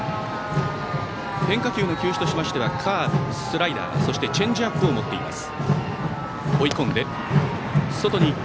変化球の球種としましてはカーブ、スライダーチェンジアップを持っています。